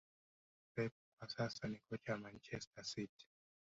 pep kwa sasa ni kocha wa Manchester City